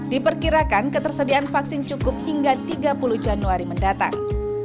diperkirakan ketersediaan vaksin cukup hingga tiga puluh januari mendatang